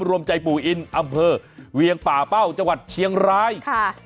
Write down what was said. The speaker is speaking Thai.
รวมใจปู่อินอำเภอเวียงป่าเป้าจังหวัดเชียงรายค่ะ